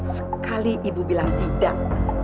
sekali ibu bilang tidak